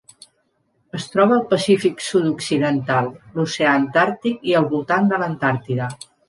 Es troba al Pacífic sud-occidental, l'oceà Antàrtic i al voltant de l'Antàrtida.